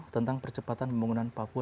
tentang percepatan pembangunan papua